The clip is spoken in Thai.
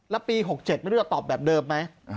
แล้วปี๖๗ไม่รู้จะตอบแบบเดิมไหม